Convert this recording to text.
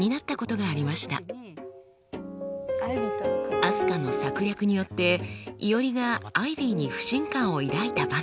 あすかの策略によっていおりがアイビーに不信感を抱いた場面。